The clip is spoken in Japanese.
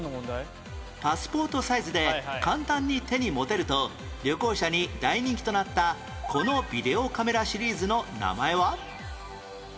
パスポートサイズで簡単に手に持てると旅行者に大人気となったこのビデオカメラシリーズの名前は？